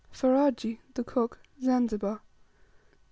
26. Ferajji (the cook), Zanzibar.